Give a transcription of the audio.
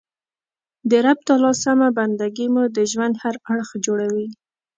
د رب تعالی سمه بنده ګي مو د ژوند هر اړخ جوړوي.